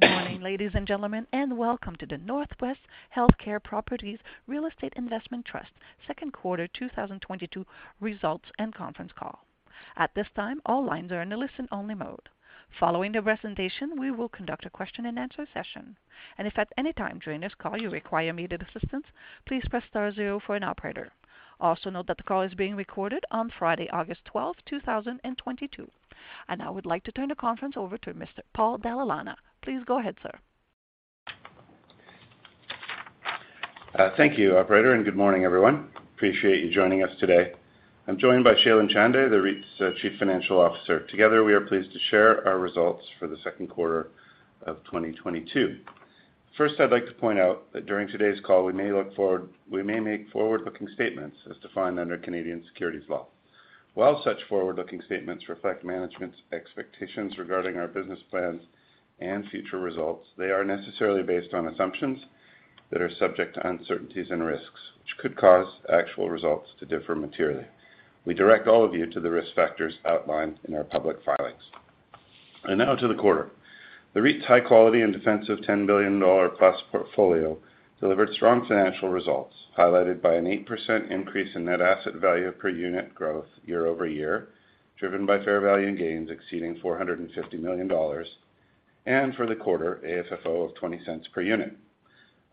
Good morning, ladies and gentlemen, and welcome to the Northwest Healthcare Properties Real Estate Investment Trust second quarter 2022 results and conference call. At this time, all lines are in a listen-only mode. Following the presentation, we will conduct a question-and-answer session. If at any time during this call you require immediate assistance, please press star zero for an operator. Also note that the call is being recorded on Friday, August 12th, 2022. Now I would like to turn the conference over to Mr. Paul Dalla Lana. Please go ahead, sir. Thank you, operator, and good morning, everyone. Appreciate you joining us today. I'm joined by Shailen Chande, the REIT's Chief Financial Officer. Together, we are pleased to share our results for the second quarter of 2022. First, I'd like to point out that during today's call, we may make forward-looking statements as defined under Canadian securities law. While such forward-looking statements reflect management's expectations regarding our business plans and future results, they are necessarily based on assumptions that are subject to uncertainties and risks, which could cause actual results to differ materially. We direct all of you to the risk factors outlined in our public filings. Now to the quarter. The REIT's high quality and defensive 10 billion dollar-plus portfolio delivered strong financial results, highlighted by an 8% increase in net asset value per unit growth year-over-year, driven by fair value gains exceeding 450 million dollars, and for the quarter, AFFO of 0.20 per unit.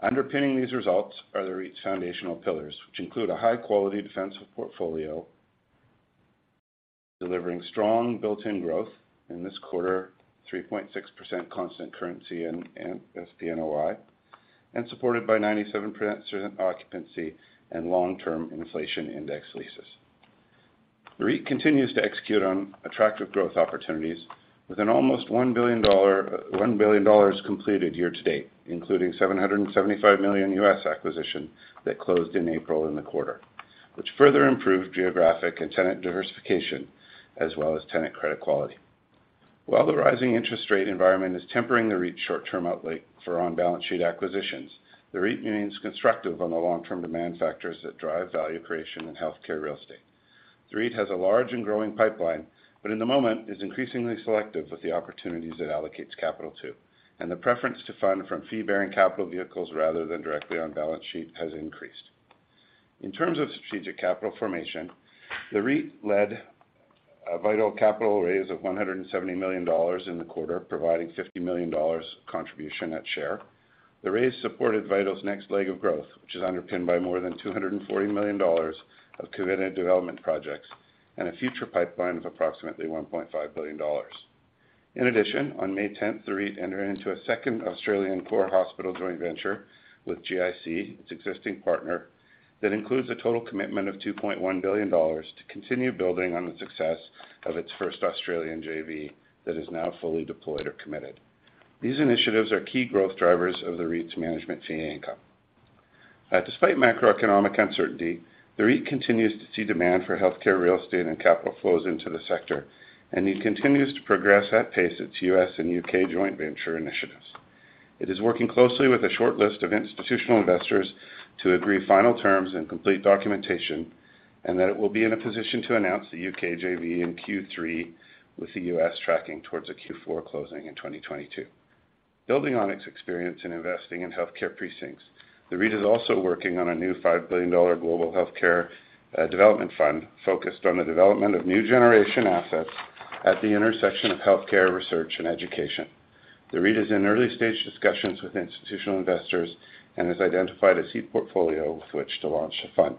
Underpinning these results are the REIT's foundational pillars, which include a high-quality defensive portfolio delivering strong built-in growth, in this quarter, 3.6% constant currency and SPNOI, and supported by 97% occupancy and long-term inflation index leases. The REIT continues to execute on attractive growth opportunities with almost 1 billion dollars completed year to date, including CAD 775 million U.S. acquisition that closed in April in the quarter, which further improved geographic and tenant diversification as well as tenant credit quality. While the rising interest rate environment is tempering the REIT's short-term outlay for on-balance-sheet acquisitions, the REIT remains constructive on the long-term demand factors that drive value creation in healthcare real estate. The REIT has a large and growing pipeline, but in the moment, is increasingly selective with the opportunities it allocates capital to, and the preference to fund from fee-bearing capital vehicles rather than directly on-balance-sheet has increased. In terms of strategic capital formation, the REIT led a Vital capital raise of 170 million dollars in the quarter, providing 50 million dollars contribution at share. The raise supported Vital's next leg of growth, which is underpinned by more than 240 million dollars of committed development projects and a future pipeline of approximately 1.5 billion dollars. In addition, on May 10th, the REIT entered into a second Australian core hospital joint venture with GIC, its existing partner, that includes a total commitment of 2.1 billion dollars to continue building on the success of its first Australian JV that is now fully deployed or committed. These initiatives are key growth drivers of the REIT's management fee income. Despite macroeconomic uncertainty, the REIT continues to see demand for healthcare real estate and capital flows into the sector, and it continues to progress at pace its U.S. and U.K. joint venture initiatives. It is working closely with a short list of institutional investors to agree final terms and complete documentation, and that it will be in a position to announce the U.K. JV in Q3, with the U.S. tracking towards a Q4 closing in 2022. Building on its experience in investing in healthcare precincts, the REIT is also working on a new 5 billion dollar global healthcare development fund focused on the development of new generation assets at the intersection of healthcare, research, and education. The REIT is in early-stage discussions with institutional investors and has identified a seed portfolio with which to launch a fund.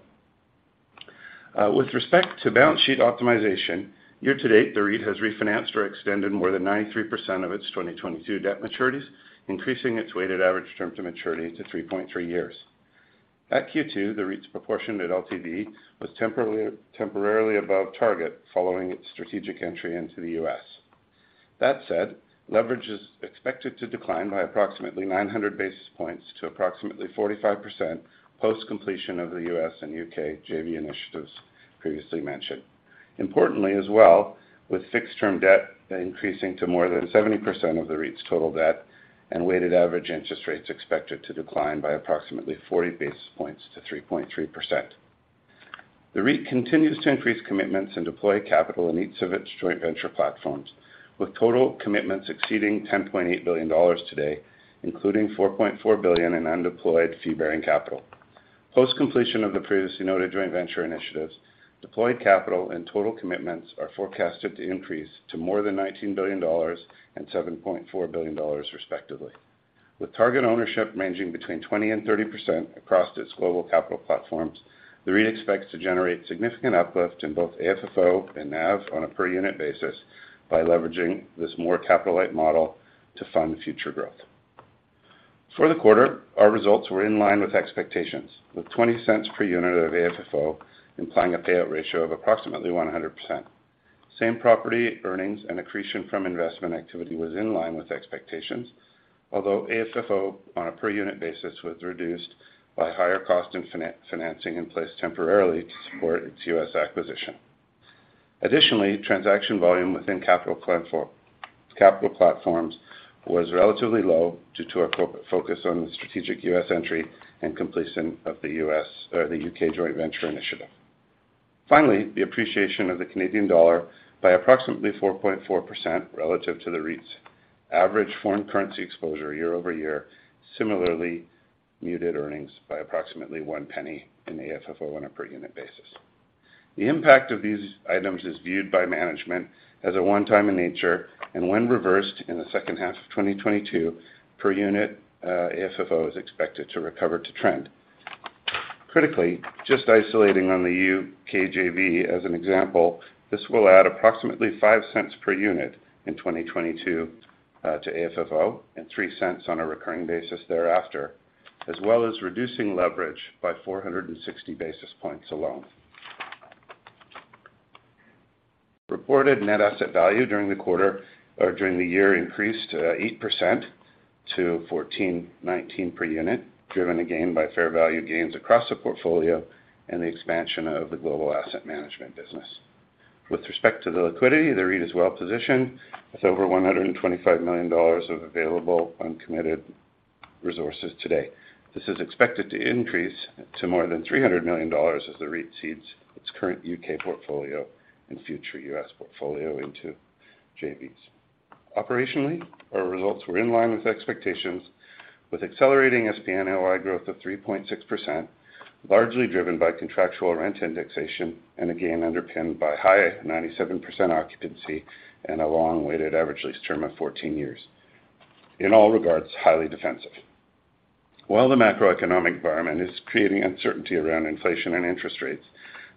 With respect to balance sheet optimization, year to date, the REIT has refinanced or extended more than 93% of its 2022 debt maturities, increasing its weighted average term to maturity to 3.3 years. At Q2, the REIT's proportion at LTV was temporarily above target following its strategic entry into the U.S. That said, leverage is expected to decline by approximately 900 basis points to approximately 45% post-completion of the U.S. and U.K. JV initiatives previously mentioned. Importantly as well, with fixed-term debt increasing to more than 70% of the REIT's total debt and weighted average interest rates expected to decline by approximately 40 basis points to 3.3%. The REIT continues to increase commitments and deploy capital in each of its joint venture platforms, with total commitments exceeding 10.8 billion dollars today, including 4.4 billion in undeployed fee-bearing capital. Post-completion of the previously noted joint venture initiatives, deployed capital and total commitments are forecasted to increase to more than 19 billion dollars and 7.4 billion dollars respectively. With target ownership ranging between 20% and 30% across its global capital platforms, the REIT expects to generate significant uplift in both AFFO and NAV on a per-unit basis by leveraging this more capital-light model to fund future growth. For the quarter, our results were in line with expectations, with 0.20 per unit of AFFO implying a payout ratio of approximately 100%. Same property earnings and accretion from investment activity was in line with expectations, although AFFO on a per-unit basis was reduced by higher cost and financing in place temporarily to support its U.S. acquisition. Additionally, transaction volume within capital platforms was relatively low due to a focus on the strategic U.S. entry and completion of the U.S. and the U.K. joint venture initiative. Finally, the appreciation of the Canadian dollar by approximately 4.4% relative to the REIT's average foreign currency exposure year-over-year similarly muted earnings by approximately 0.01 in the FFO on a per unit basis. The impact of these items is viewed by management as a one-time in nature, and when reversed in the second half of 2022 per unit, FFO is expected to recover to trend. Critically, just isolating on the U.K. JV as an example, this will add approximately 0.05 per unit in 2022 to FFO, and 0.03 on a recurring basis thereafter, as well as reducing leverage by 460 basis points alone. Reported net asset value during the quarter or during the year increased 8% to 14.19 per unit, driven again by fair value gains across the portfolio and the expansion of the global asset management business. With respect to the liquidity, the REIT is well positioned with over 125 million dollars of available uncommitted resources today. This is expected to increase to more than 300 million dollars as the REIT cedes its current U.K. portfolio and future U.S. portfolio into JVs. Operationally, our results were in line with expectations, with accelerating SPNOI growth of 3.6%, largely driven by contractual rent indexation and again underpinned by high 97% occupancy and a long weighted average lease term of 14 years. In all regards, highly defensive. While the macroeconomic environment is creating uncertainty around inflation and interest rates,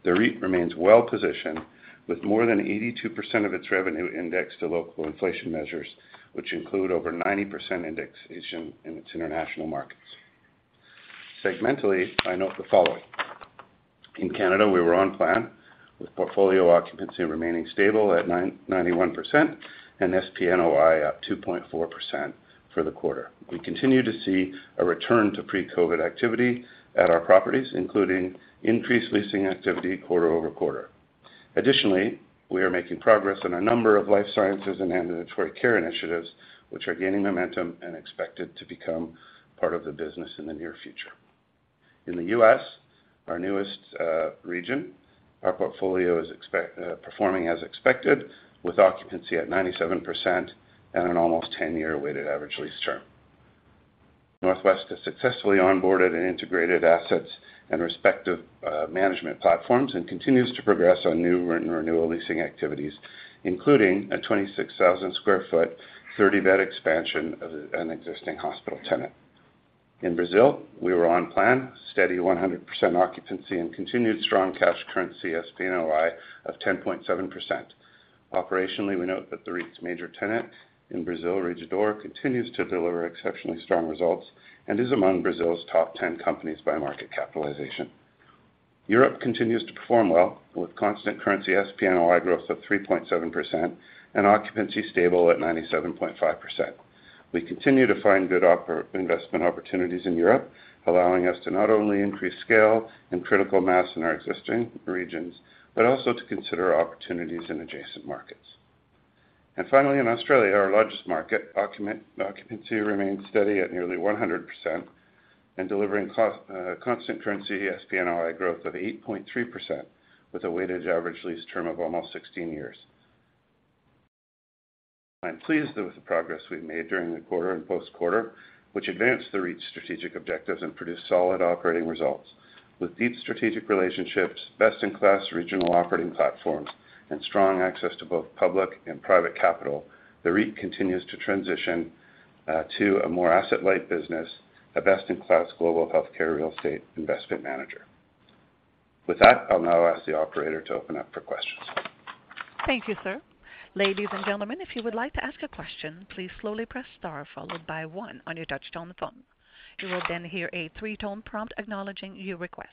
the REIT remains well positioned with more than 82% of its revenue indexed to local inflation measures, which include over 90% indexation in its international markets. Segmentally, I note the following. In Canada, we were on plan with portfolio occupancy remaining stable at 91% and SPNOI up 2.4% for the quarter. We continue to see a return to pre-COVID activity at our properties, including increased leasing activity quarter over quarter. Additionally, we are making progress on a number of life sciences and ambulatory care initiatives, which are gaining momentum and expected to become part of the business in the near future. In the U.S., our newest region, our portfolio is performing as expected with occupancy at 97% and an almost 10-year weighted average lease term. Northwest has successfully onboarded and integrated assets and respective management platforms and continues to progress on new and renewal leasing activities, including a 26,000 sq ft, 30-bed expansion of an existing hospital tenant. In Brazil, we were on plan, steady 100% occupancy and continued strong cash currency SPNOI of 10.7%. Operationally, we note that the REIT's major tenant in Brazil, Rede D'Or, continues to deliver exceptionally strong results and is among Brazil's top 10 companies by market capitalization. Europe continues to perform well with constant currency SPNOI growth of 3.7% and occupancy stable at 97.5%. We continue to find good investment opportunities in Europe, allowing us to not only increase scale and critical mass in our existing regions, but also to consider opportunities in adjacent markets. Finally, in Australia, our largest market, occupancy remains steady at nearly 100% and delivering constant currency SPNOI growth of 8.3% with a weighted average lease term of almost 16 years. I'm pleased with the progress we've made during the quarter and post-quarter, which advanced the REIT's strategic objectives and produced solid operating results. With deep strategic relationships, best-in-class regional operating platforms, and strong access to both public and private capital, the REIT continues to transition to a more asset-light business, a best-in-class global healthcare real estate investment manager. With that, I'll now ask the operator to open up for questions. Thank you, sir. Ladies and gentlemen, if you would like to ask a question, please slowly press star followed by one on your touchtone phone. You will then hear a three-tone prompt acknowledging your request.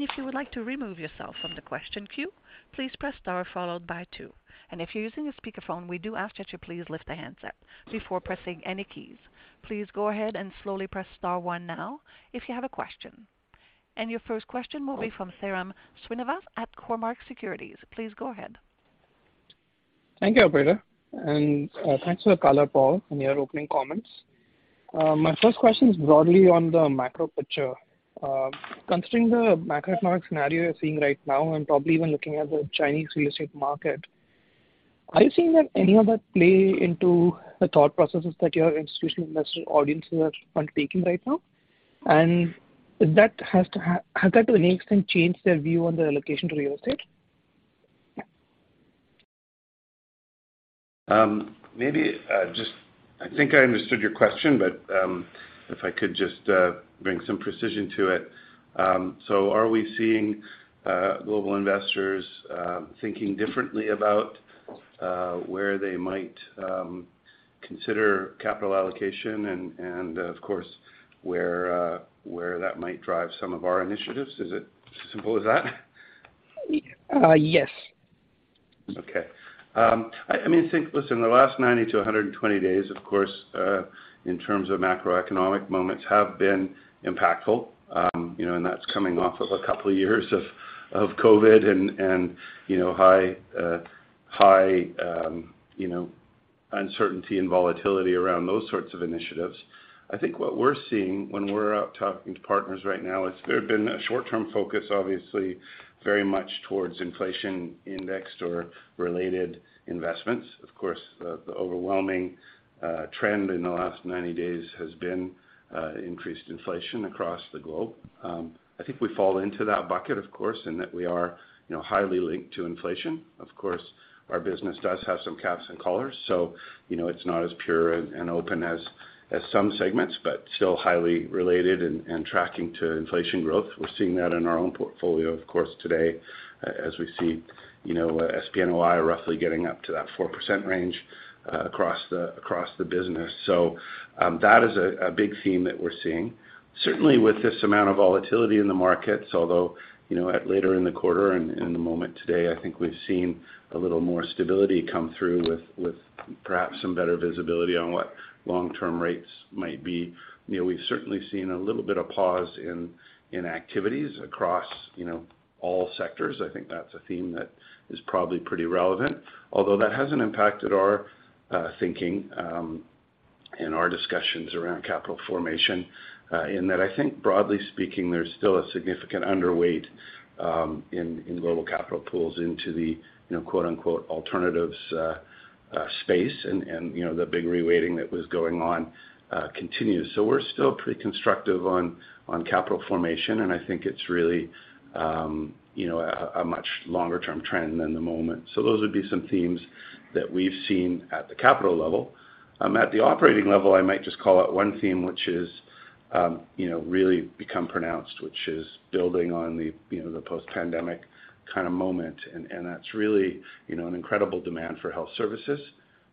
If you would like to remove yourself from the question queue, please press star followed by two. If you're using a speakerphone, we do ask that you please lift the handset before pressing any keys. Please go ahead and slowly press star one now if you have a question. Your first question will be from Sairam Srinivas at Cormark Securities. Please go ahead. Thank you, operator, and thanks for the color, Paul, in your opening comments. My first question is broadly on the macro picture. Considering the macroeconomic scenario you're seeing right now and probably even looking at the Chinese real estate market, are you seeing that any of that play into the thought processes that your institutional investor audiences are undertaking right now? If that has that to an extent changed their view on their allocation to real estate? Maybe, just, I think I understood your question, but if I could just bring some precision to it. Are we seeing global investors thinking differently about where they might consider capital allocation and of course where that might drive some of our initiatives? Is it simple as that? Yes. I mean, the last 90 days-120 days, of course, in terms of macroeconomic moments have been impactful. You know, that's coming off of a couple of years of COVID and you know, high uncertainty and volatility around those sorts of initiatives. I think what we're seeing when we're out talking to partners right now is there have been a short-term focus, obviously, very much towards inflation indexed or related investments. Of course, the overwhelming trend in the last 90 days has been increased inflation across the globe. I think we fall into that bucket, of course, in that we are, you know, highly linked to inflation. Of course, our business does have some caps and collars, so you know, it's not as pure and open as some segments, but still highly related and tracking to inflation growth. We're seeing that in our own portfolio, of course, today, as we see, you know, SPNOI roughly getting up to that 4% range, across the business. That is a big theme that we're seeing. Certainly, with this amount of volatility in the markets, although, you know, a little later in the quarter and in the moment today, I think we've seen a little more stability come through with perhaps some better visibility on what long-term rates might be. You know, we've certainly seen a little bit of pause in activities across, you know, all sectors. I think that's a theme that is probably pretty relevant. Although that hasn't impacted our thinking and our discussions around capital formation, in that I think broadly speaking, there's still a significant underweight in global capital pools into the, you know, quote-unquote, "alternatives space." You know, the big re-weighting that was going on continues. We're still pretty constructive on capital formation, and I think it's really, you know, a much longer term trend than the moment. Those would be some themes that we've seen at the capital level. At the operating level, I might just call out one theme which is, you know, really become pronounced, which is building on the, you know, the post-pandemic kind of momentum. That's really, you know, an incredible demand for health services,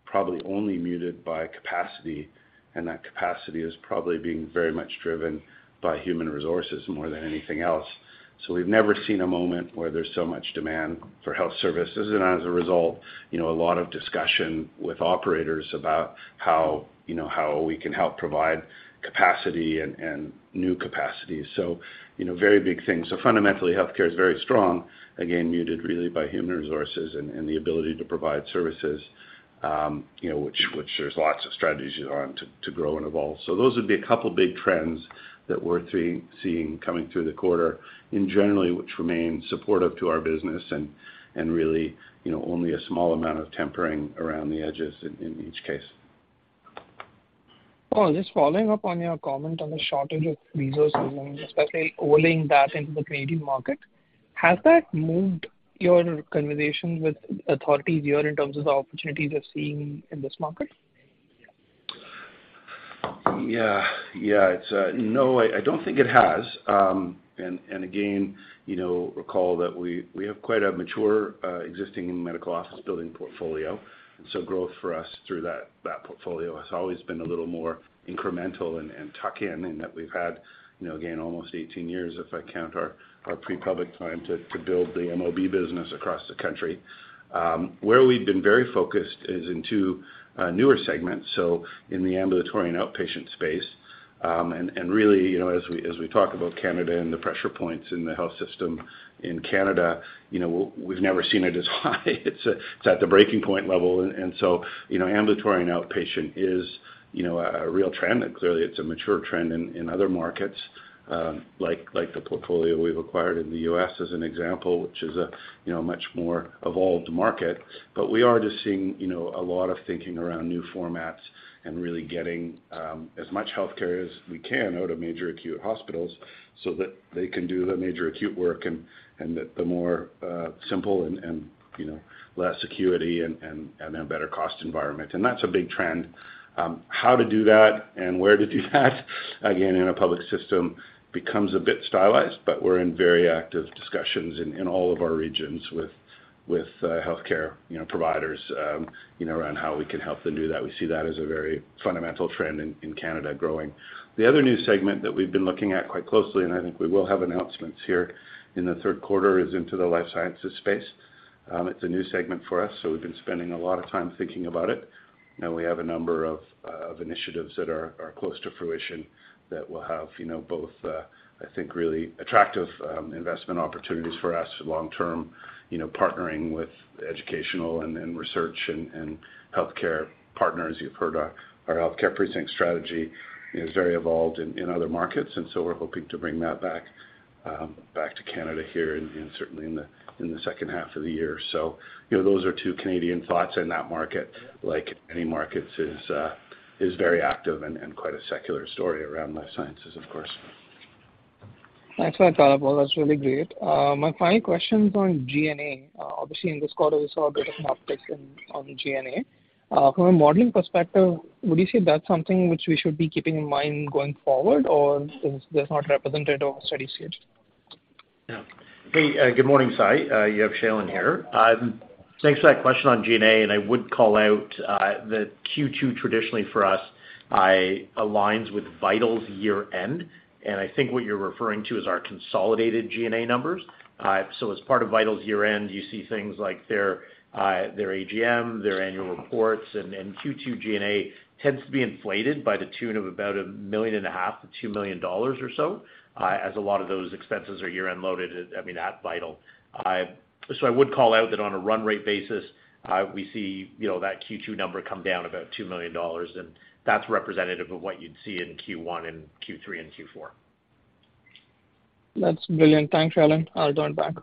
probably only muted by capacity, and that capacity is probably being very much driven by human resources more than anything else. We've never seen a moment where there's so much demand for health services, and as a result, you know, a lot of discussion with operators about how, you know, how we can help provide capacity and new capacity. You know, very big things. Fundamentally, healthcare is very strong. Again, muted really by human resources and the ability to provide services, you know, which there's lots of strategies on to grow and evolve. Those would be a couple of big trends that we're seeing coming through the quarter in general, which remain supportive to our business and really, you know, only a small amount of tempering around the edges in each case. Oh, just following up on your comment on the shortage of resources and especially overlaying that into the Canadian market. Has that moved your conversation with authorities here in terms of the opportunities you're seeing in this market? Yeah. Yeah. It's. No, I don't think it has. Again, you know, recall that we have quite a mature existing medical office building portfolio. Growth for us through that portfolio has always been a little more incremental and tuck-in, in that we've had, you know, again, almost 18 years if I count our pre-public time to build the MOB business across the country. Where we've been very focused is into newer segments, so in the ambulatory and outpatient space. Really, you know, as we talk about Canada and the pressure points in the health system in Canada, you know, we've never seen it as high. It's at the breaking point level. You know, ambulatory and outpatient is, you know, a real trend, and clearly it's a mature trend in other markets, like the portfolio we've acquired in the U.S. as an example, which is a, you know, much more evolved market. We are just seeing, you know, a lot of thinking around new formats and really getting as much healthcare as we can out of major acute hospitals so that they can do the major acute work and the more simple and, you know, less acuity and a better cost environment. That's a big trend. How to do that and where to do that, again, in a public system becomes a bit stylized, but we're in very active discussions in all of our regions with healthcare, you know, providers, you know, around how we can help them do that. We see that as a very fundamental trend in Canada growing. The other new segment that we've been looking at quite closely, and I think we will have announcements here in the third quarter, is into the life sciences space. It's a new segment for us, so we've been spending a lot of time thinking about it. You know, we have a number of initiatives that are close to fruition that will have, you know, both, I think really attractive investment opportunities for us long term. You know, partnering with educational and research and healthcare partners. You've heard our healthcare precinct strategy is very evolved in other markets, and so we're hoping to bring that back to Canada here and certainly in the second half of the year. You know, those are two Canadian thoughts in that market, like any markets is very active and quite a secular story around life sciences, of course. Thanks for that color, Paul. That's really great. My final question is on G&A. Obviously in this quarter we saw a bit of an uptick in G&A. From a modeling perspective, would you say that's something which we should be keeping in mind going forward, or is this not representative of steady state? Yeah. Hey, good morning, Sai. You have Shailen here. Thanks for that question on G&A, and I would call out that Q2 traditionally for us aligns with Vital's year-end. I think what you're referring to is our consolidated G&A numbers. As part of Vital's year-end, you see things like their AGM, their annual reports, and Q2 G&A tends to be inflated by the tune of about 1.5 million-2 million dollars or so, as a lot of those expenses are year-end loaded, I mean, at Vital. I would call out that on a run rate basis, we see, you know, that Q2 number come down about 2 million dollars, and that's representative of what you'd see in Q1 and Q3 and Q4. That's brilliant. Thanks, Shailen. I'll join back.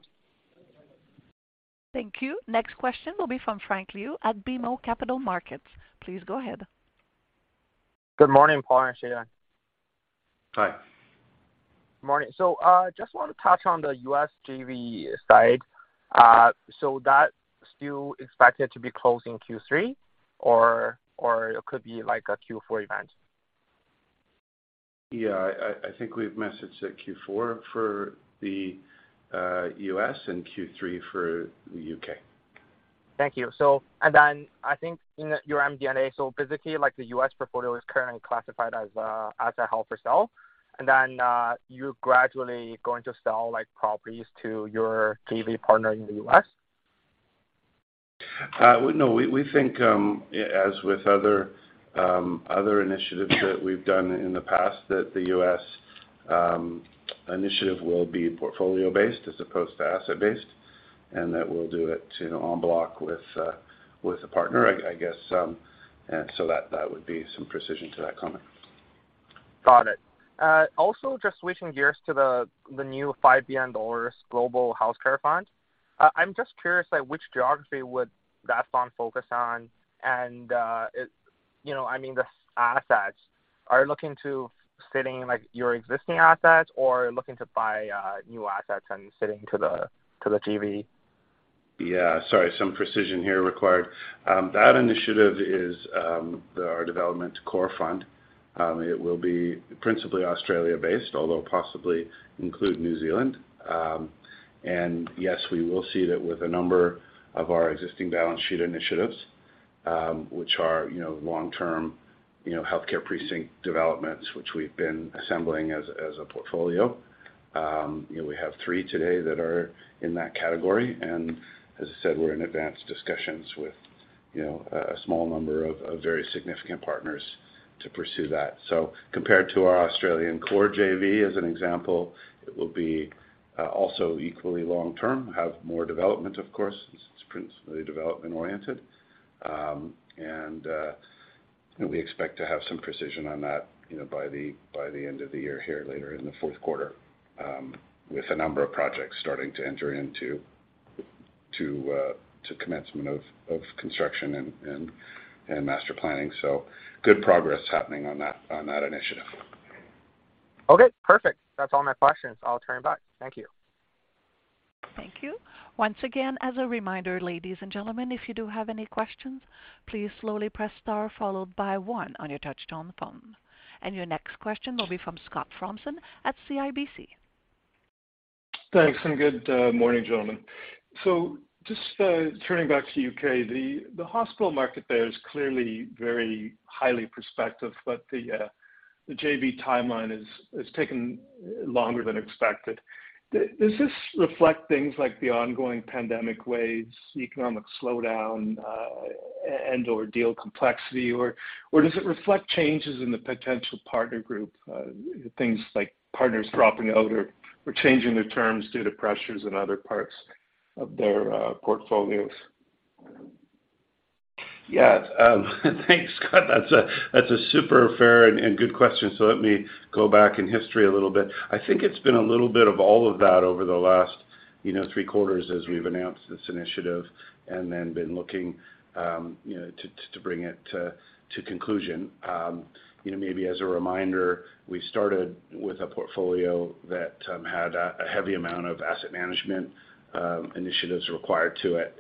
Thank you. Next question will be from Frank Liu at BMO Capital Markets. Please go ahead. Good morning, Paul and Shailen. Hi. Morning. Just wanna touch on the U.S. JV side. That still expected to be closed in Q3 or it could be like a Q4 event? Yeah, I think we've messaged it Q4 for the U.S. and Q3 for the U.K. Thank you. I think in your MD&A, specifically, like the U.S. portfolio is currently classified as held for sale. You're gradually going to sell like properties to your JV partner in the U.S.? We think, as with other initiatives that we've done in the past, that the U.S. initiative will be portfolio based as opposed to asset based, and that we'll do it, you know, en bloc with a partner. I guess that would be some precision to that comment. Got it. Also just switching gears to the new 5 billion dollars global healthcare fund. I'm just curious, like, which geography would that fund focus on? You know, I mean, the assets, are you looking to seed, like, your existing assets or looking to buy new assets and seed into the JV? Yeah, sorry, some precision here required. That initiative is our development core fund. It will be principally Australia based, although possibly include New Zealand. Yes, we will see that with a number of our existing balance sheet initiatives, which are, you know, long-term, you know, healthcare precinct developments, which we've been assembling as a portfolio. You know, we have three today that are in that category. As I said, we're in advanced discussions with, you know, a small number of very significant partners to pursue that. Compared to our Australian core JV, as an example, it will be also equally long-term. Have more development, of course, since it's principally development oriented. You know, we expect to have some precision on that, you know, by the end of the year here, later in the fourth quarter, with a number of projects starting to enter into commencement of construction and master planning. Good progress happening on that initiative. Okay, perfect. That's all my questions. I'll turn back. Thank you. Thank you. Once again, as a reminder, ladies and gentlemen, if you do have any questions, please slowly press star followed by one on your touchtone phone. Your next question will be from Scott Fromson at CIBC. Thanks, and good morning, gentlemen. Just turning back to U.K., the hospital market there is clearly very highly prospective, but the JV timeline is taking longer than expected. Does this reflect things like the ongoing pandemic waves, economic slowdown, and/or deal complexity? Or does it reflect changes in the potential partner group, things like partners dropping out or changing their terms due to pressures in other parts of their portfolios? Yeah. Thanks, Scott. That's a super fair and good question. Let me go back in history a little bit. I think it's been a little bit of all of that over the last, you know, three quarters as we've announced this initiative and then been looking, you know, to bring it to conclusion. You know, maybe as a reminder, we started with a portfolio that had a heavy amount of asset management initiatives required to it.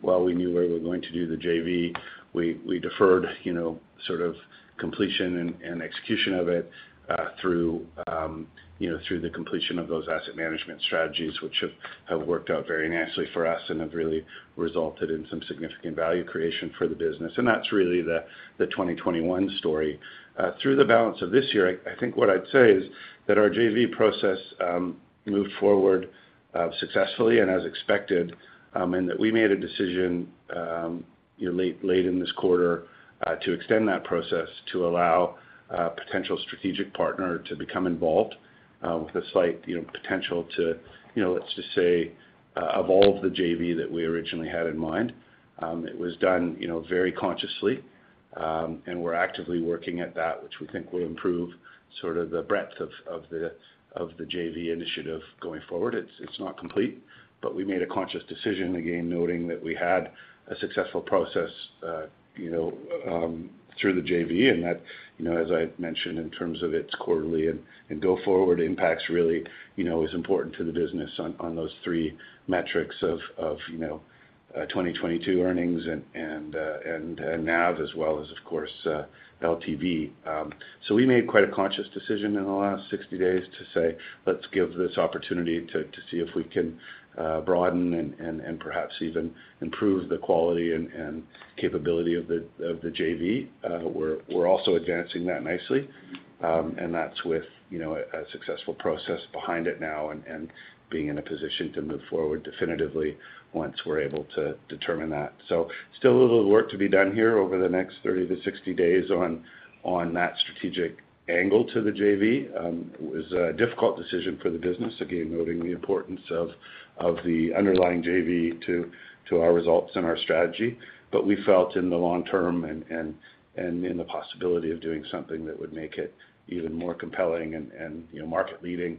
While we knew we were going to do the JV, we deferred, you know, sort of completion and execution of it through the completion of those asset management strategies, which have worked out very nicely for us and have really resulted in some significant value creation for the business. That's really the 2021 story. Through the balance of this year, I think what I'd say is that our JV process moved forward successfully and as expected. That we made a decision you know late in this quarter to extend that process to allow a potential strategic partner to become involved with a slight you know potential to you know let's just say evolve the JV that we originally had in mind. It was done you know very consciously. We're actively working at that, which we think will improve sort of the breadth of the JV initiative going forward. It's not complete, but we made a conscious decision, again, noting that we had a successful process through the JV and that, as I mentioned in terms of its quarterly and go-forward impacts really is important to the business on those three metrics of 2022 earnings and NAV as well as, of course, LTV. We made quite a conscious decision in the last 60 days to say, "Let's give this opportunity to see if we can broaden and perhaps even improve the quality and capability of the JV." We're also advancing that nicely. That's with, you know, a successful process behind it now and being in a position to move forward definitively once we're able to determine that. Still a little work to be done here over the next 30 days-60 days on that strategic angle to the JV. It was a difficult decision for the business, again, noting the importance of the underlying JV to our results and our strategy. We felt in the long term and in the possibility of doing something that would make it even more compelling and, you know, market leading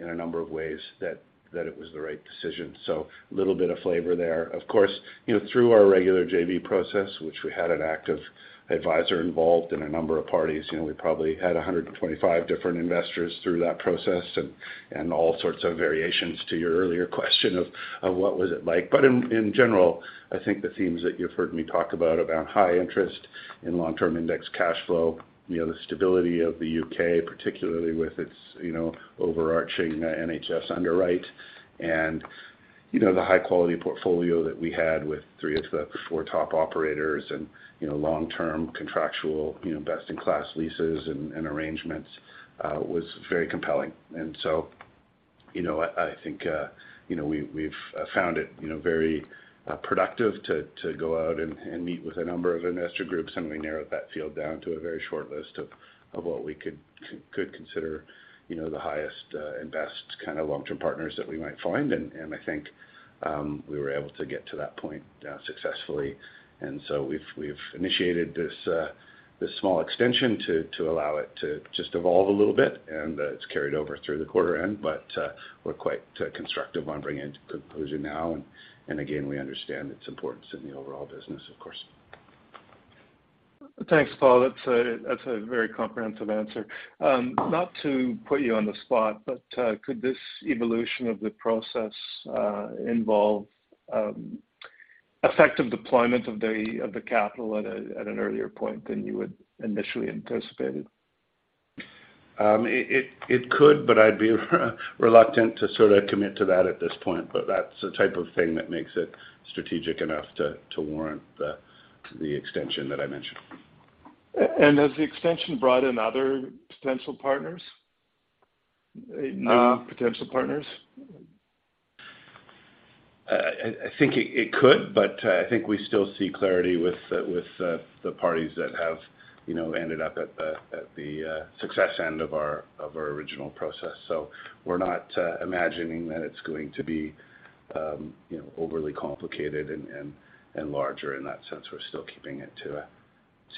in a number of ways that it was the right decision. A little bit of flavor there. Of course, you know, through our regular JV process, which we had an active advisor involved and a number of parties, you know, we probably had 125 different investors through that process and all sorts of variations to your earlier question of what was it like. In general, I think the themes that you've heard me talk about high interest and long-term indexed cash flow, you know, the stability of the U.K., particularly with its, you know, overarching NHS underwrite, and, you know, the high-quality portfolio that we had with three of the four top operators and, you know, long-term contractual, you know, best-in-class leases and arrangements was very compelling. You know, I think we've found it you know very productive to go out and meet with a number of investor groups, and we narrowed that field down to a very short list of what we could consider you know the highest investor kind of long-term partners that we might find. I think we were able to get to that point successfully. We've initiated this small extension to allow it to just evolve a little bit, and it's carried over through the quarter end. But we're quite constructive on bringing it to conclusion now. Again, we understand its importance in the overall business, of course. Thanks, Paul. That's a very comprehensive answer. Not to put you on the spot, but could this evolution of the process involve effective deployment of the capital at an earlier point than you would initially anticipated? It could, but I'd be reluctant to sort of commit to that at this point. That's the type of thing that makes it strategic enough to warrant the extension that I mentioned. Has the extension brought in other potential partners? New potential partners? I think it could, but I think we still see clarity with the parties that have, you know, ended up at the success end of our original process. We're not imagining that it's going to be, you know, overly complicated and larger in that sense. We're still keeping it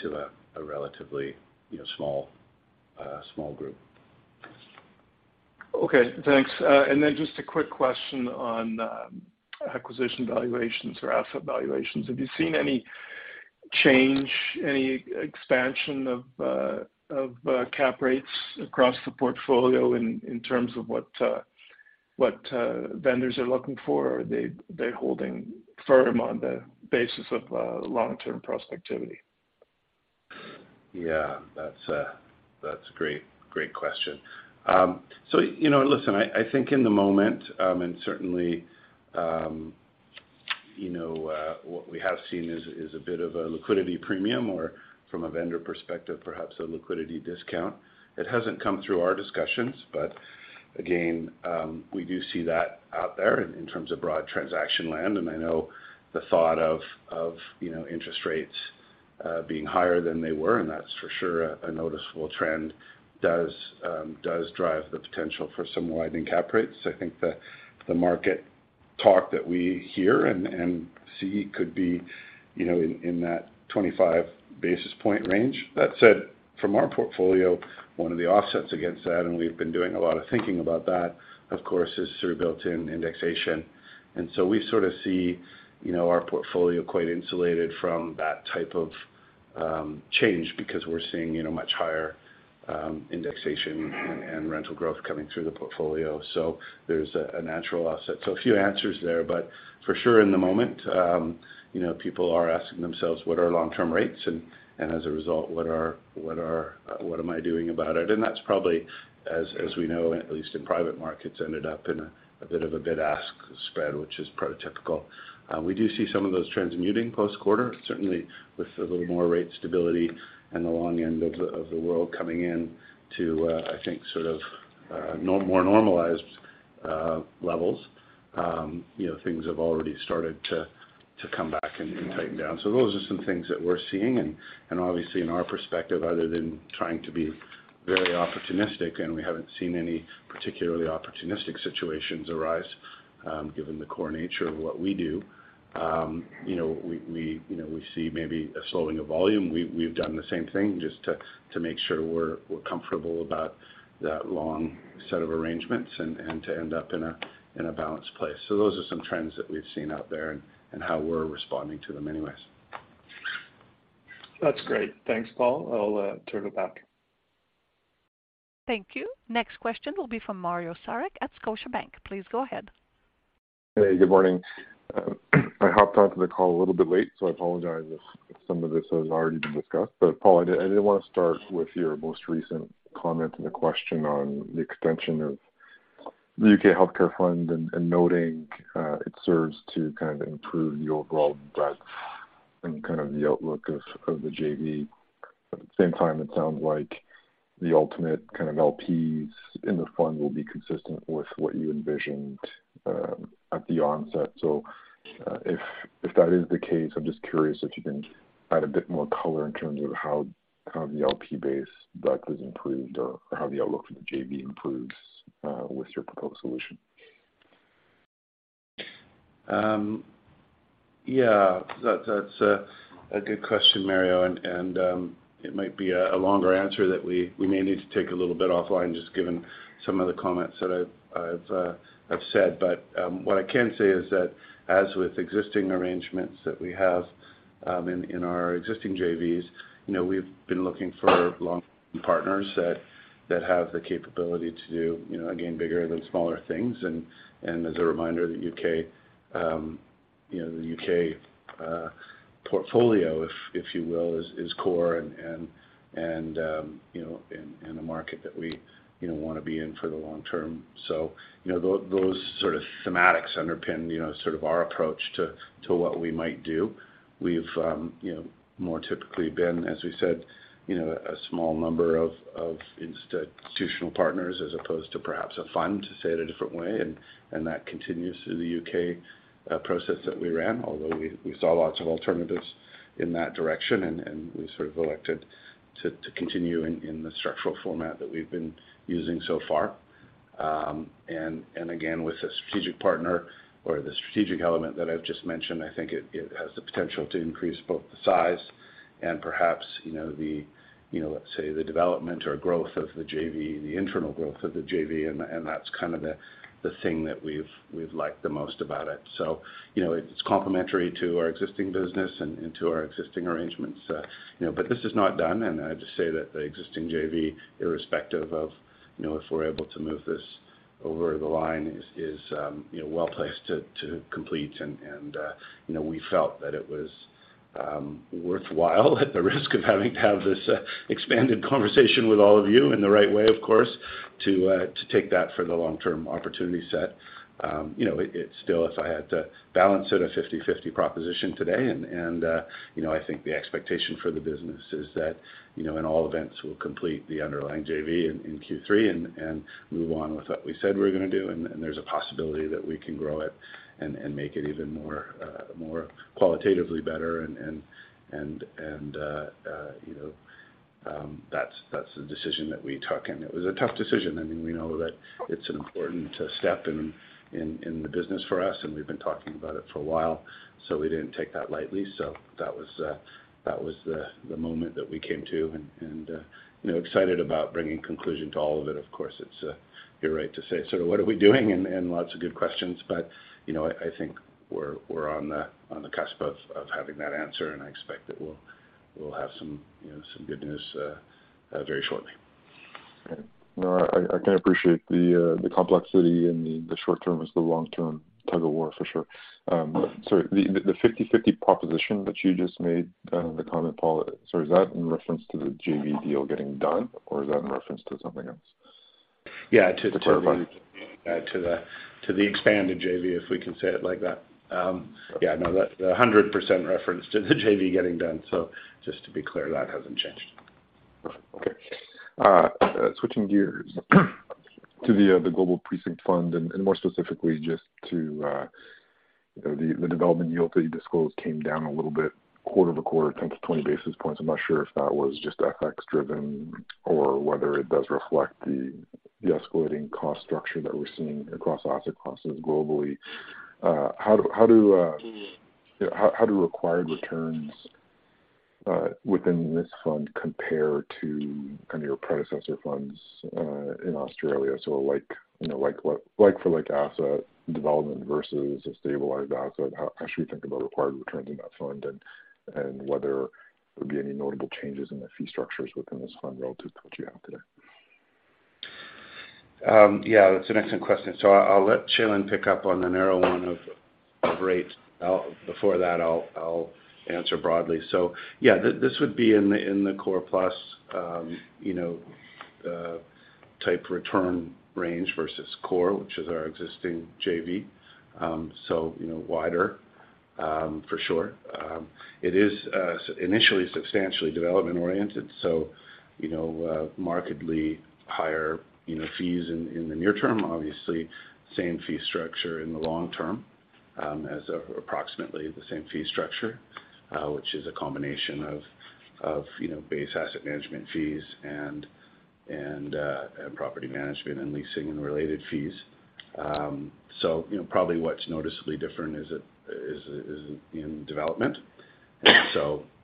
to a relatively, you know, small group. Okay, thanks. Just a quick question on acquisition valuations or asset valuations. Have you seen any change, any expansion of cap rates across the portfolio in terms of what vendors are looking for? Are they holding firm on the basis of long-term prospectivity? Yeah, that's a great question. So, you know, listen, I think in the moment, and certainly, you know, what we have seen is a bit of a liquidity premium or from a vendor perspective, perhaps a liquidity discount. It hasn't come through our discussions, but again, we do see that out there in terms of broad transaction land. I know the thought of, you know, interest rates being higher than they were, and that's for sure a noticeable trend, does drive the potential for some widening cap rates. I think the market talk that we hear and see could be, you know, in that 25 basis point range. That said, from our portfolio, one of the offsets against that, and we've been doing a lot of thinking about that, of course, is sort of built-in indexation. We sort of see, you know, our portfolio quite insulated from that type of change because we're seeing, you know, much higher indexation and rental growth coming through the portfolio. There's a natural offset. A few answers there, but for sure in the moment, you know, people are asking themselves what are long-term rates, and as a result, what am I doing about it. That's probably, as we know, at least in private markets, ended up in a bit of a bid-ask spread, which is prototypical. We do see some of those trends muting post-quarter, certainly with a little more rate stability in the long end of the curve coming into I think sort of more normalized levels. You know, things have already started to come back and tighten down. Those are some things that we're seeing. Obviously in our perspective, other than trying to be very opportunistic, we haven't seen any particularly opportunistic situations arise, given the core nature of what we do. You know, we see maybe a slowing of volume. We've done the same thing just to make sure we're comfortable about that long set of arrangements and to end up in a balanced place. Those are some trends that we've seen out there and how we're responding to them anyways. That's great. Thanks, Paul. I'll turn it back. Thank you. Next question will be from Mario Saric at Scotiabank. Please go ahead. Hey, good morning. I hopped onto the call a little bit late, so I apologize if some of this has already been discussed. Paul, I did wanna start with your most recent comment and the question on the extension of the UK Healthcare Fund and noting it serves to kind of improve the overall breadth and kind of the outlook of the JV. At the same time, it sounds like the ultimate kind of LTVs in the fund will be consistent with what you envisioned at the onset. If that is the case, I'm just curious if you can add a bit more color in terms of how the LP base breadth is improved or how the outlook for the JV improves with your proposed solution. Yeah, that's a good question, Mario. It might be a longer answer that we may need to take a little bit offline just given some of the comments that I've said. What I can say is that as with existing arrangements that we have in our existing JVs, you know, we've been looking for long-term partners that have the capability to do, you know, again, bigger than smaller things. As a reminder, the U.K., you know, the U.K. portfolio, if you will, is core and in a market that we, you know, wanna be in for the long term. You know, those sort of thematics underpin, you know, sort of our approach to what we might do. We've you know more typically been, as we said, you know, a small number of institutional partners as opposed to perhaps a fund, to say it a different way. That continues through the U.K. process that we ran, although we saw lots of alternatives in that direction. We sort of elected to continue in the structural format that we've been using so far. Again, with a strategic partner or the strategic element that I've just mentioned, I think it has the potential to increase both the size and perhaps you know the you know let's say the development or growth of the JV, the internal growth of the JV. That's kind of the thing that we've liked the most about it. You know, it's complementary to our existing business and to our existing arrangements. You know, but this is not done, and I'd just say that the existing JV, irrespective of, you know, if we're able to move this over the line, is you know, well-placed to complete. You know, we felt that it was worthwhile at the risk of having to have this expanded conversation with all of you in the right way, of course, to take that for the long-term opportunity set. You know, it's still, if I had to balance it, a 50/50 proposition today. You know, I think the expectation for the business is that, you know, in all events, we'll complete the underlying JV in Q3 and move on with what we said we're gonna do. There's a possibility that we can grow it and make it even more qualitatively better. You know, that's the decision that we took. It was a tough decision. I mean, we know that it's an important step in the business for us, and we've been talking about it for a while, so we didn't take that lightly. that was the moment that we came to. You know, excited about bringing conclusion to all of it, of course. It's, you're right to say sort of what are we doing? lots of good questions. You know, I think we're on the cusp of having that answer, and I expect that we'll have some, you know, some good news very shortly. Okay. No, I can appreciate the complexity and the short-term is the long-term tug-of-war for sure. The 50/50 proposition that you just made, the comment, Paul, sorry, is that in reference to the JV deal getting done, or is that in reference to something else? Yeah. To clarify. To the expanded JV, if we can say it like that. Yeah, no, 100% reference to the JV getting done. Just to be clear, that hasn't changed. Okay. Switching gears to the Global Precinct Fund and more specifically just to the development yield that you disclosed came down a little bit quarter-over-quarter, 10 basis points-20 basis points. I'm not sure if that was just FX driven or whether it does reflect the escalating cost structure that we're seeing across asset classes globally. How do required returns within this fund compare to kind of your predecessor funds in Australia? Like, you know, like what, like for like asset development versus a stabilized asset, how should we think about required returns in that fund and whether there'll be any notable changes in the fee structures within this fund relative to what you have today? Yeah, that's an excellent question. I'll let Shailen pick up on the narrow one of rate. Before that, I'll answer broadly. This would be in the core plus type return range versus core, which is our existing JV. You know, wider for sure. It is initially substantially development oriented. You know, markedly higher fees in the near term, obviously same fee structure in the long term as approximately the same fee structure, which is a combination of base asset management fees and property management and leasing and related fees. You know, probably what's noticeably different is it is in development.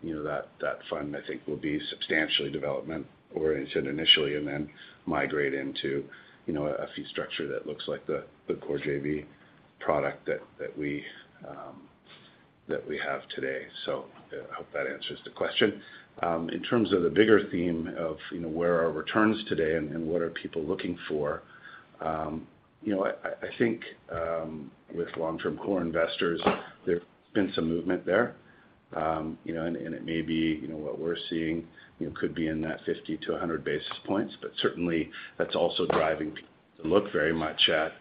You know, that fund I think will be substantially development oriented initially and then migrate into, you know, a fee structure that looks like the core JV product that we have today. I hope that answers the question. In terms of the bigger theme of, you know, where are returns today and what are people looking for, you know, I think with long-term core investors, there's been some movement there. You know, and it may be, you know, what we're seeing, you know, could be in that 50 basis points-100 basis points. Certainly that's also driving people to look very much at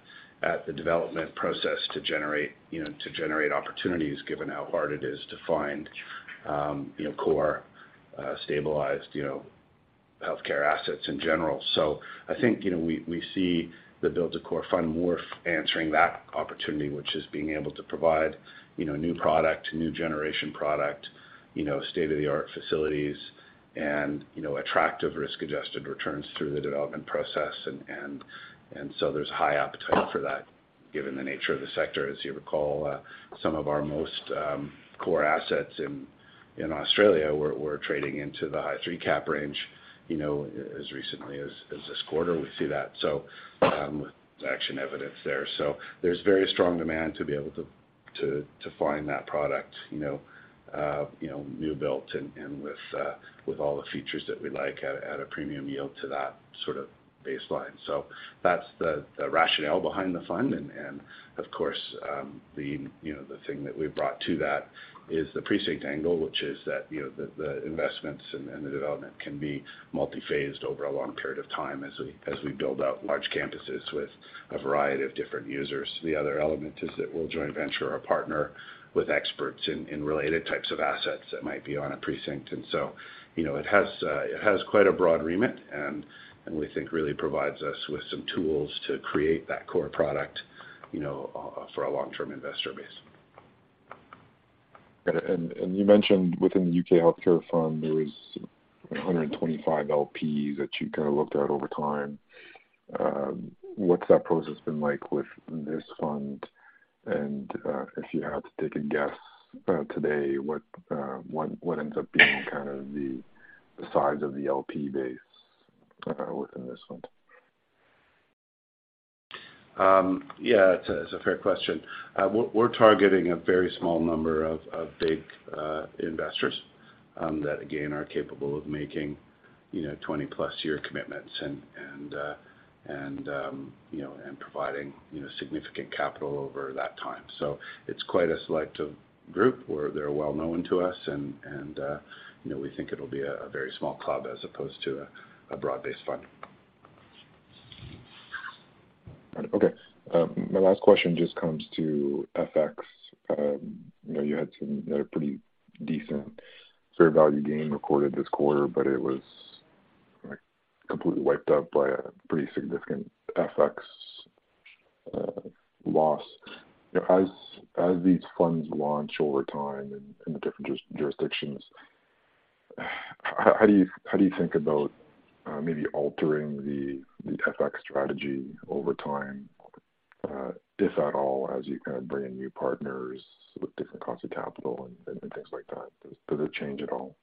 the development process to generate opportunities given how hard it is to find, you know, core stabilized healthcare assets in general. I think, you know, we see the build to core fund more answering that opportunity, which is being able to provide, you know, new product, new generation product, you know, state-of-the-art facilities and, you know, attractive risk adjusted returns through the development process and so there's high appetite for that given the nature of the sector. As you recall, some of our most core assets in Australia were trading into the high three cap range, you know, as recently as this quarter, we see that. Actual evidence there. There's very strong demand to be able to find that product, you know, new built and with all the features that we like at a premium yield to that sort of baseline. That's the rationale behind the fund and of course, you know, the thing that we've brought to that is the precinct angle, which is that, you know, the investments and the development can be multi-phased over a long period of time as we build out large campuses with a variety of different users. The other element is that we'll joint venture or partner with experts in related types of assets that might be on a precinct. You know, it has quite a broad remit and we think really provides us with some tools to create that core product, you know, for a long-term investor base. You mentioned within the UK Healthcare Fund, there was 125 LPs that you kind of looked at over time. What's that process been like with this fund? If you had to take a guess, today, what ends up being kind of the size of the LP base within this fund? Yeah, it's a fair question. We're targeting a very small number of big investors that again, are capable of making, you know, 20+ year commitments and providing, you know, significant capital over that time. It's quite a selective group where they're well known to us and, you know, we think it'll be a very small club as opposed to a broad-based fund. Okay. My last question just comes to FX. You know, you had some a pretty decent fair value gain recorded this quarter, but it was like completely wiped out by a pretty significant FX loss. As these funds launch over time in the different jurisdictions, how do you think about maybe altering the FX strategy over time, if at all, as you kind of bring in new partners with different cost of capital and things like that? Does it change at all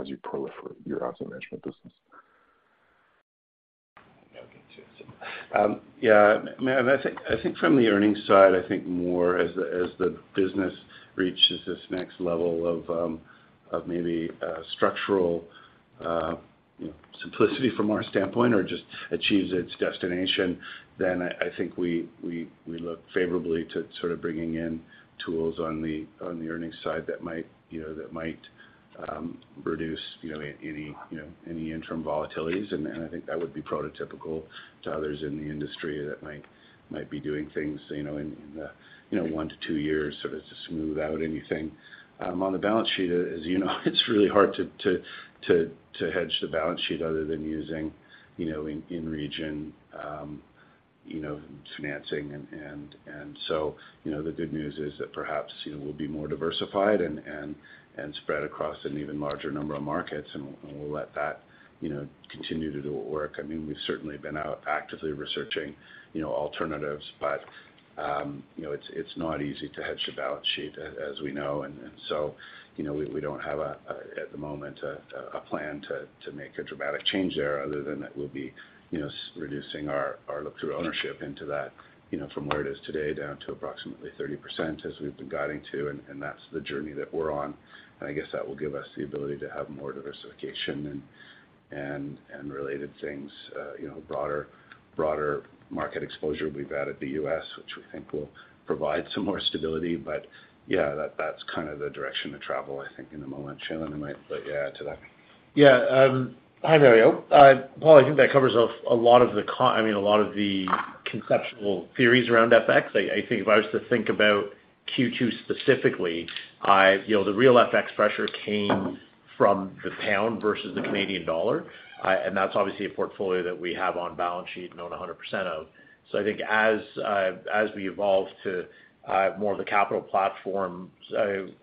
as you proliferate your asset management business? Yeah, I think from the earnings side, I think more as the business reaches this next level of maybe structural, you know, simplicity from our standpoint or just achieves its destination, then I think we look favorably to sort of bringing in tools on the earnings side that might, you know, reduce, you know, any interim volatilities. I think that would be prototypical to others in the industry that might be doing things, you know, in the, you know, one to two years sort of to smooth out anything. On the balance sheet, as you know, it's really hard to hedge the balance sheet other than using, you know, in-region financing and so, you know, the good news is that perhaps, you know, we'll be more diversified and spread across an even larger number of markets, and we'll let that, you know, continue to do work. I mean, we've certainly been out actively researching, you know, alternatives, but, you know, it's not easy to hedge a balance sheet as we know. you know, we don't have at the moment a plan to make a dramatic change there other than that we'll be, you know, reducing our look through ownership into that, you know, from where it is today, down to approximately 30% as we've been guiding to. that's the journey that we're on. I guess that will give us the ability to have more diversification and related things, you know, broader market exposure. We've added the US, which we think will provide some more stability. yeah, that's kind of the direction of travel, I think in the moment. Shailen might like add to that. Yeah. Hi, Mario. Paul, I think that covers a lot of the conceptual theories around FX. I think if I was to think about Q2 specifically, you know, the real FX pressure came from the pound versus the Canadian dollar. That's obviously a portfolio that we have on balance sheet and own 100% of. I think as we evolve to more of the capital platform,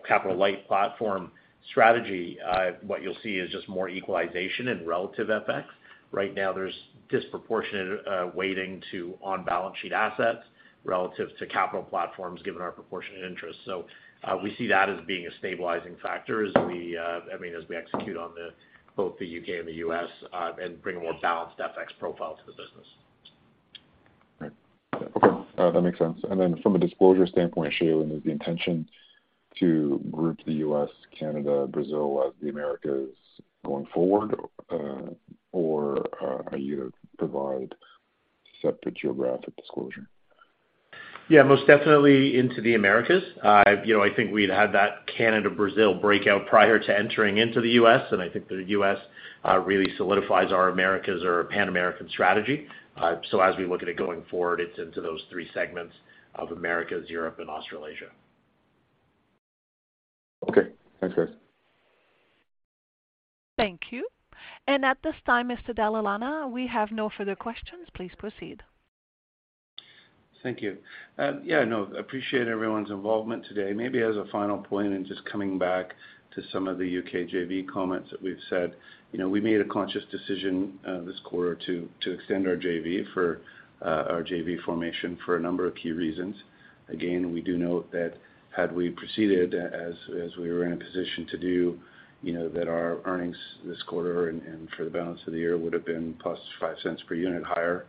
capital light platform strategy, what you'll see is just more equalization and relative FX. Right now, there's disproportionate weighting to on balance sheet assets relative to capital platforms, given our proportionate interest. We see that as being a stabilizing factor as we, I mean, as we execute on both the U.K. and the U.S., and bring a more balanced FX profile to the business. Right. Okay. That makes sense. From a disclosure standpoint, Shailen, is the intention to group the U.S., Canada, Brazil as the Americas going forward, or are you providing separate geographic disclosure? Yeah, most definitely into the Americas. You know, I think we'd had that Canada, Brazil breakout prior to entering into the U.S. and I think the U.S. really solidifies our Americas or Pan-American strategy. As we look at it going forward, it's into those three segments of Americas, Europe, and Australasia. Okay. Thanks, guys. Thank you. At this time, Mr. Dalla Lana, we have no further questions. Please proceed. Thank you. Yeah, no, appreciate everyone's involvement today. Maybe as a final point, and just coming back to some of the U.K. JV comments that we've said. You know, we made a conscious decision this quarter to extend our JV formation for a number of key reasons. Again, we do note that had we proceeded as we were in a position to do, you know, that our earnings this quarter and for the balance of the year would've been +0.05 per unit higher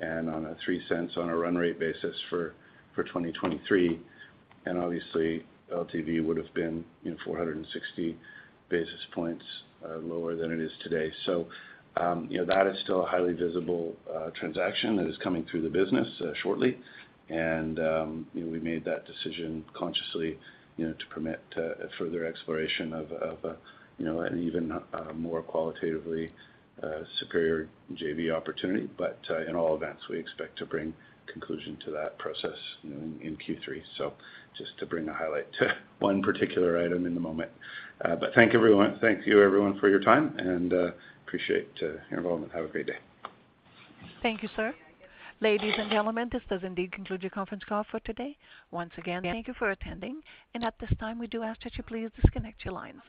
and on a 0.03 run rate basis for 2023. Obviously LTV would've been 460 basis points lower than it is today. You know, that is still a highly visible transaction that is coming through the business shortly. We made that decision consciously, you know, to permit a further exploration of a you know, an even more qualitatively superior JV opportunity. In all events, we expect to bring conclusion to that process, you know, in Q3. Just to bring a highlight to one particular item in the moment. Thank everyone. Thank you everyone for your time and appreciate your involvement. Have a great day. Thank you, sir. Ladies and gentlemen, this does indeed conclude your conference call for today. Once again, thank you for attending. At this time we do ask that you please disconnect your lines.